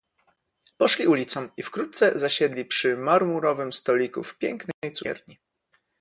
"Poszli ulicą i wkrótce zasiedli przy marmurowym stoliku w pięknej cukierni."